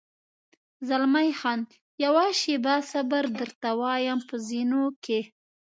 زلمی خان: یوه شېبه صبر، درته وایم، په زینو کې.